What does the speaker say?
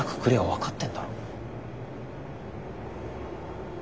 分かってんだろ？